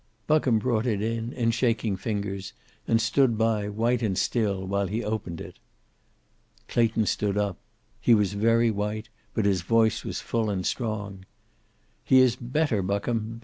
Buckham brought it in in shaking fingers, and stood by, white and still, while he opened it. Clayton stood up. He was very white, but his voice was full and strong. "He is better, Buckham!